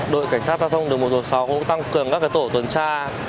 đội cảnh sát giao thông đường một trăm một mươi sáu cũng tăng cường các cái tổ tuần tra